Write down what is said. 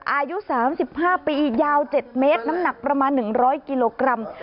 อายุ๓๕ปียาว๗เมตรน้ำหนักประมาณ๑๐๐กิโลกรัม